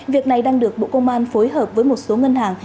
việc này đang được bộ công an phối hợp với một số ngân hàng